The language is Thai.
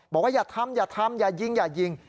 อย่าทำอย่าทำอย่ายิงอย่ายิง